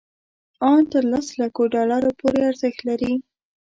ان تر لس لکو ډالرو پورې ارزښت لري.